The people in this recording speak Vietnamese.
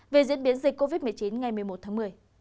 về diễn biến dịch covid một mươi chín ngày một mươi một tháng một mươi